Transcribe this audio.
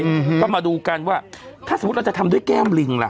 อืมก็มาดูกันว่าถ้าสมมุติเราจะทำด้วยแก้มลิงล่ะ